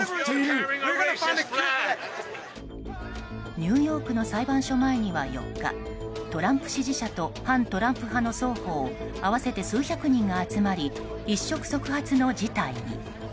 ニューヨークの裁判所前には４日トランプ支持者と反トランプ派の双方合わせて数百人が集まり一触即発の事態に。